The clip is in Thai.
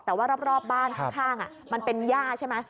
แต่ว่ารอบบ้านข้างมันเป็นย่าใช่ไหม